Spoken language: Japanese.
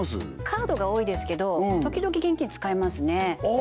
カードが多いですけど時々現金使いますねああ